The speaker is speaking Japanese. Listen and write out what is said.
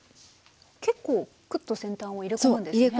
結構クッと先端を入れ込むんですね。